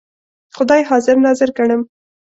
خدای حاضر ناظر ګڼم.